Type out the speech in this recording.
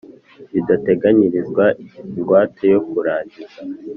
bidateganyirizwa ingwate yo kurangiza